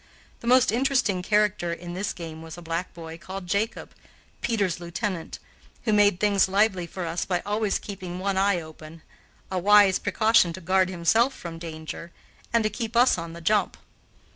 The most interesting character in this game was a black boy called Jacob (Peter's lieutenant), who made things lively for us by always keeping one eye open a wise precaution to guard himself from danger, and to keep us on the jump.